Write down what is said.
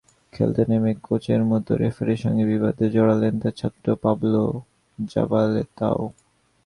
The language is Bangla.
খেলতে নেমে কোচের মতো রেফারির সঙ্গে বিবাদে জড়ালেন তাঁর ছাত্র পাবলো জাবালেতাও।